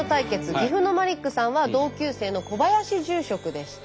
岐阜のマリックさんは同級生の小林住職でした。